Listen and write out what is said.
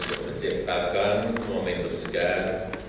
untuk menciptakan momen bersegar